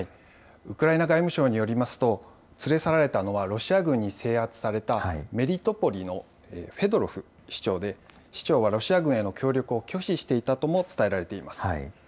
ウクライナ外務省によりますと、連れ去られたのは、ロシア軍に制圧された、メリトポリのフェドロフ市長で、市長はロシア軍への協力を拒否していたとも伝えられています。